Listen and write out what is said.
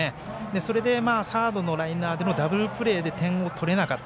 それで、サードのライナーでのダブルプレーで点を取れなかった。